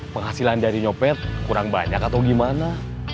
penghasilan dari nyopet kurang banyak atau gimana